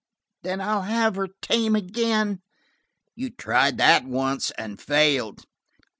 "Then I'll have her tame again." "You tried that once and failed."